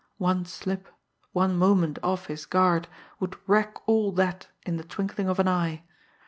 One slip, one moment off his guard, would wreck all that in the twinkling of an eye.